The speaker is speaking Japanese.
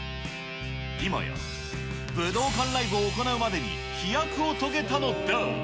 今や武道館ライブを行うまでに、飛躍を遂げたのだ。